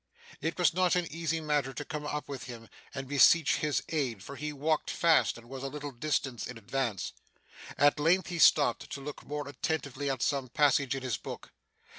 It was not an easy matter to come up with him, and beseech his aid, for he walked fast, and was a little distance in advance. At length, he stopped, to look more attentively at some passage in his book.